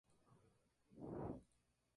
La guerra tiene lugar a tres bandos.